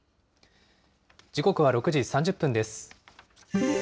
時刻は６時３０分です。